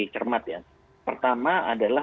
cermat ya pertama adalah